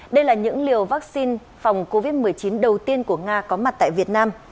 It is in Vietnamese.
đây là những liều vaccine phòng covid một mươi chín đầu tiên của nga có mặt tại việt nam